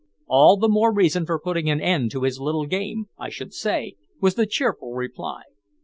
"All the more reason for putting an end to his little game, I should say," was the cheerful reply.